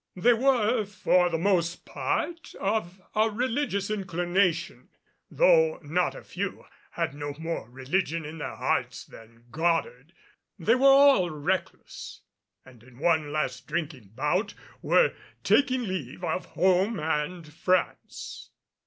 They were for the most part of a religious inclination, though not a few had no more religion in their hearts than Goddard. They were all reckless, and in one last drinking bout were taking leave of home and France.